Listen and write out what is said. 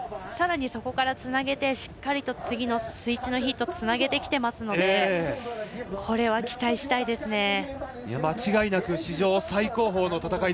さらに、そこからつなげてしっかり次のスイッチのヒットにつなげてきてますのでこれは期待したいですね。